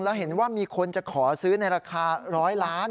แล้วเห็นว่ามีคนจะขอซื้อในราคา๑๐๐ล้าน